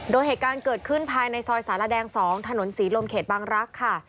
โดยเหตุการณ์เกิดขึ้นภายในซอยสารแดง๒ถนนศรีลมเขตบางรักษ์ค่ะ